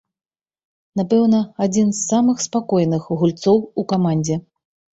Напэўна, адзін з самых спакойных гульцоў у камандзе.